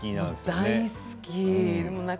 大好き。